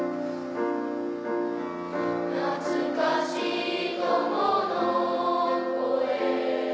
懐かしい友の声